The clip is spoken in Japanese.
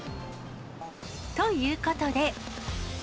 ということで。